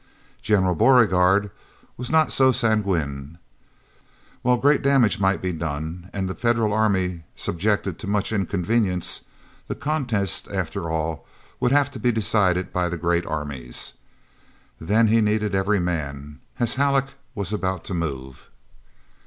General Beauregard was not so sanguine. While great damage might be done, and the Federal army subjected to much inconvenience, the contest, after all, would have to be decided by the great armies. Then he needed every man, as Halleck was about to move.